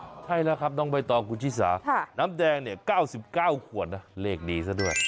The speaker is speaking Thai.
ใช่แล้วครับน้องใบตองคุณชิสาน้ำแดงเนี่ย๙๙ขวดนะเลขนี้ซะด้วย